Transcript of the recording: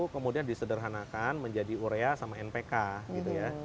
kemudian disederhanakan menjadi urea sama npk gitu ya